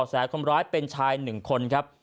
แสคนร้ายเป็นชาย๑คนครับ